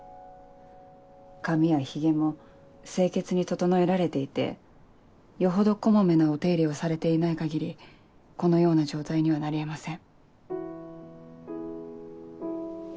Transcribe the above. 髪やヒゲも清潔に整えられていてよほど小まめなお手入れをされていない限りこのような状態にはなり得ません。